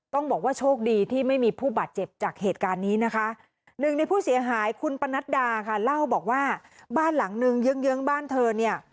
ต้องบอกว่าโชคดีที่ไม่มีผู้บาดเจ็บจากเหตุการณ์นี้นะคะหนึ่งในผู้เสียหายคุณปนัดดาค่ะเล่าบอกว่าบ้านหลังนึงเยื้องเยื้องบ้านเธอเนี่ย